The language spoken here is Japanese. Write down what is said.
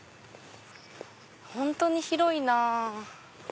本当に広いなぁ。